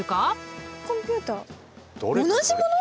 同じもの！？